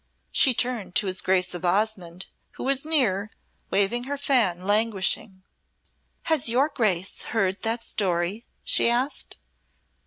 She turned to his Grace of Osmonde, who was near, waving her fan languishing. "Has your Grace heard that story?" she asked.